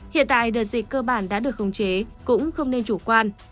hiện tại đợt dịch cơ bản đã được khống chế cũng không nên chủ quan